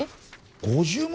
５０万！？